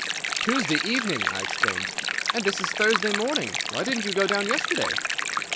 "Tuesday evening!" I exclaimed. "And this is Thursday morning. Why didn't you go down yesterday?"